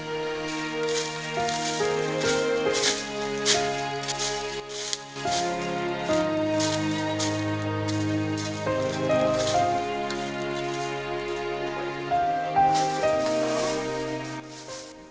kepul dan wanggisan